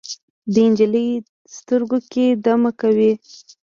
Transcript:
د نجلۍ سترګو کې دمه کوي